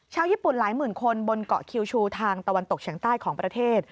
ญี่ปุ่นหลายหมื่นคนบนเกาะคิวชูทางตะวันตกเฉียงใต้ของประเทศ